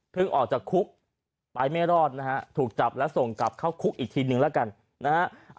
ออกจากคุกไปไม่รอดนะฮะถูกจับแล้วส่งกลับเข้าคุกอีกทีนึงแล้วกันนะฮะ